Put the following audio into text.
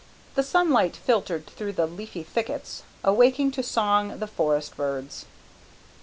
The sunlight filtered through the leafy thickets awaking to song the forest birds.